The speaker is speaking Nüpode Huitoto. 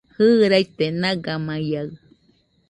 Jɨ, raite nagamaiaɨ